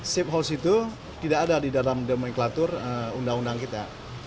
safe house itu tidak ada di dalam demenklatur undang undang kita